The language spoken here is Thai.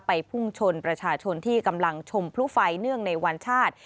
พุ่งชนประชาชนที่กำลังชมพลุไฟเนื่องในวันชาติ